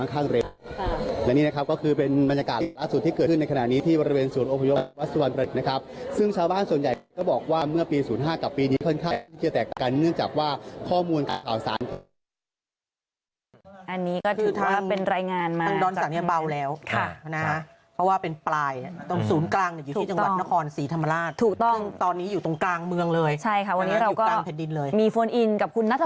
ภาคฤศาสตร์ภาคฤศาสตร์ภาคฤศาสตร์ภาคฤศาสตร์ภาคฤศาสตร์ภาคฤศาสตร์ภาคฤศาสตร์ภาคฤศาสตร์ภาคฤศาสตร์ภาคฤศาสตร์ภาคฤศาสตร์ภาคฤศาสตร์ภาคฤศาสตร์ภาคฤศาสตร์ภาคฤศาสตร์ภาคฤศาสต